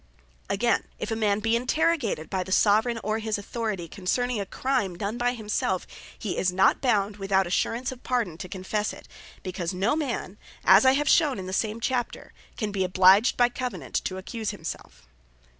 If a man be interrogated by the Soveraign, or his Authority, concerning a crime done by himselfe, he is not bound (without assurance of Pardon) to confesse it; because no man (as I have shewn in the same Chapter) can be obliged by Covenant to accuse himselfe.